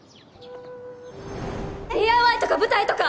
ＤＩＹとか舞台とか！